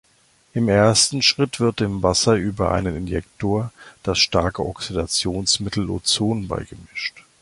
Im ersten Schritt wird dem Wasser über einen Injektor das starke Oxidationsmittel Ozon beigemischt.